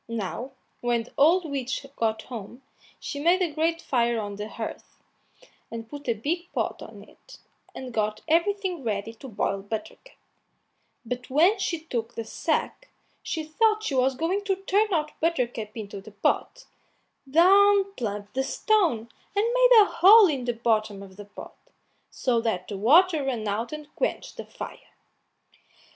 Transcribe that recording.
Now, when the old witch got home, she made a great fire on the hearth, and put a big pot on it, and got everything ready to boil Buttercup; but when she took the sack, and thought she was going to turn out Buttercup into the pot, down plumped the stone and made a hole in the bottom of the pot, so that the water ran out and quenched the fire.